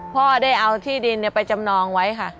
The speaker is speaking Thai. พ่อได้เอาที่ดินไปจำนองไว้ค่ะ